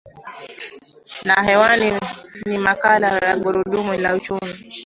na hewani ni makala ya gurudumu la uchumi